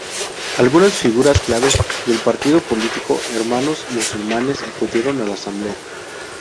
Algunas figuras clave del partido político Hermanos Musulmanes acudieron a la asamblea.